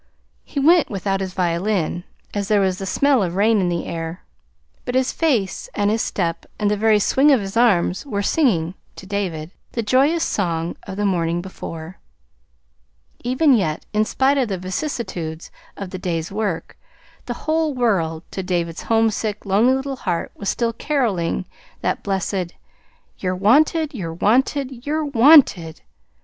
He went without his violin, as there was the smell of rain in the air; but his face and his step and the very swing of his arms were singing (to David) the joyous song of the morning before. Even yet, in spite of the vicissitudes of the day's work, the whole world, to David's homesick, lonely little heart, was still caroling that blessed "You're wanted, you're wanted, you're wanted!"